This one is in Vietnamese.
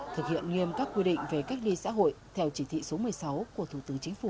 thực hiện nghiêm các quy định về cách ly xã hội theo chỉ thị số một mươi sáu của thủ tướng chính phủ